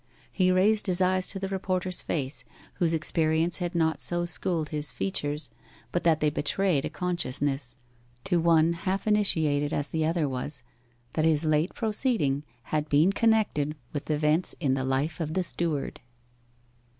He raised his eyes to the reporter's face, whose experience had not so schooled his features but that they betrayed a consciousness, to one half initiated as the other was, that his late proceeding had been connected with events in the life of the steward.